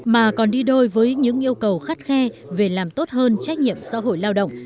mà còn đi đôi với những yêu cầu khắt khe về làm tốt hơn trách nhiệm xã hội lao động